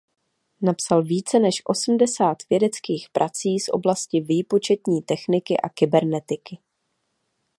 Napsal více než osmdesát vědeckých prací z oblasti výpočetní techniky a kybernetiky.